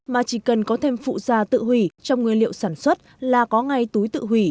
mà chỉ cần có thêm phụ da tự hủy trong nguyên liệu sản xuất là có ngay túi tự hủy